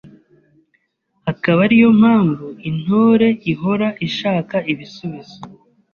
Akaba ariyo mpavu intore ihora ishaka ibisubizo